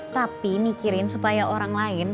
tapi mikirin supaya orang lain